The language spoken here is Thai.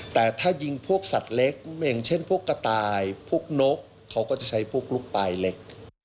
แต่ถ้ายิงพวกสัตว์เล็กอย่างเช่นพวกกระต่ายพวกนกเขาก็จะใช้พวกลูกปลายเล็ก